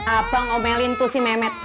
abang omelin tuh si memet